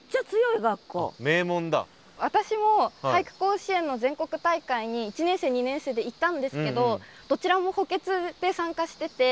私も俳句甲子園の全国大会に１年生２年生で行ったんですけどどちらも補欠で参加してて。